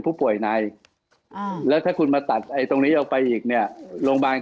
ผู้ป่วยในอ่าแล้วถ้าคุณมาตัดไอ้ตรงนี้ออกไปอีกเนี่ยโรงพยาบาล